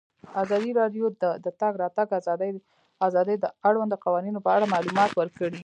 ازادي راډیو د د تګ راتګ ازادي د اړونده قوانینو په اړه معلومات ورکړي.